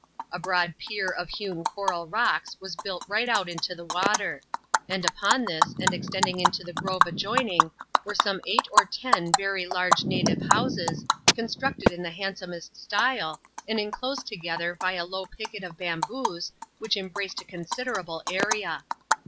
A broad pier of hewn coral rocks was built right out into the water ; and upon this, and extending into a grove adjoining, were some eight or ten very large native hooses, constructed in the handsomest style, and inclosed together by t low picket of bamboos, which embraced a considerable area.